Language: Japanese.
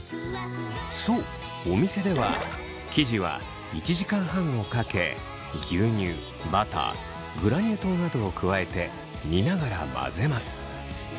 そうお店では生地は１時間半をかけ牛乳バターグラニュー糖などを加えて煮ながら混ぜます。